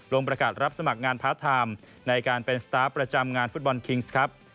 ลงประกาศรับสมัครงานพาร์ทไทม์ในการเป็นสตาร์ฟประจำงานฟุตบอลคิงส์ครับ